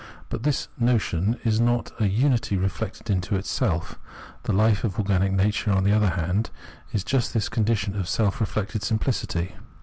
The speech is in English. But this notion is not a unity reflected into self. The hfe of organic nature, on the other hand, is just this condition of self reflected simpHcity.